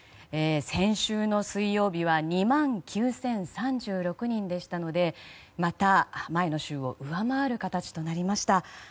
先週の水曜日は２万９０３６人でしたのでまた前の週を上回る形となりました。